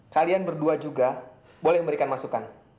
kalian berdua juga boleh memberikan masukan